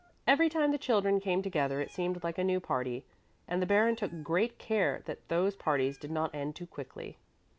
Every time the children came together it seemed like a new party, and the Baron took great care that those parties did not end too quickly.